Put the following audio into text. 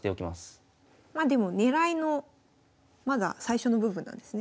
まあでも狙いのまだ最初の部分なんですね。